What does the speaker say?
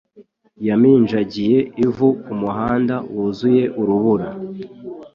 yaminjagiye ivu kumuhanda wuzuye urubura.